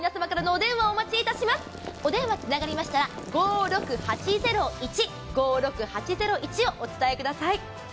お電話つながりましたら、５６８０１をお伝えください。